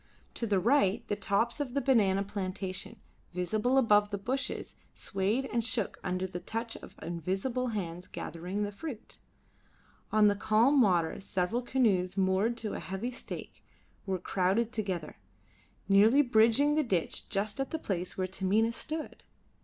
To the right the tops of the banana plantation, visible above the bushes, swayed and shook under the touch of invisible hands gathering the fruit. On the calm water several canoes moored to a heavy stake were crowded together, nearly bridging the ditch just at the place where Taminah stood.